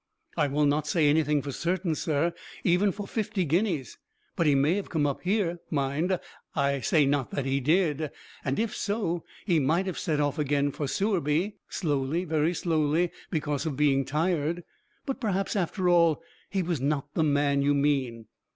"I will not say anything for certain, sir; even for fifty guineas. But he may have come up here mind, I say not that he did and if so, he might have set off again for Sewerby. Slowly, very slowly, because of being tired. But perhaps, after all, he was not the man you mean."